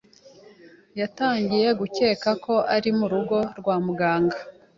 yatangiye gukeka ko ari mu rugo rwa Muganga